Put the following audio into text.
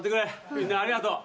みんなありがとう。